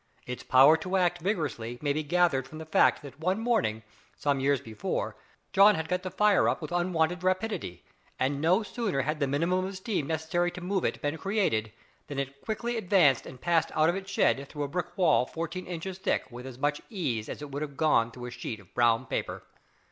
Its power to act vigorously may be gathered from the fact that one morning, some years before, John had got the fire up with unwonted rapidity, and no sooner had the minimum of steam necessary to move it been created, than it quietly advanced and passed out of its shed through a brick wall fourteen inches thick with as much ease as it would have gone through a sheet of brown paper.